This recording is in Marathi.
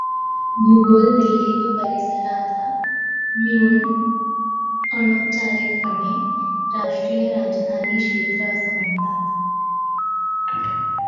भूगोल दिल्ली व परिसराला मिळून अनौपचारिकपणे राष्ट्रीय राजधानी क्षेत्र असे म्हणतात.